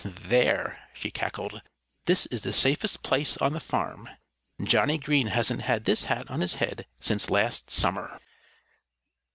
"There!" she cackled. "This is the safest place on the farm. Johnnie Green hasn't had this hat on his head since last summer."